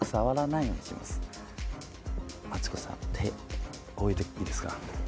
マツコさん手置いていいですか。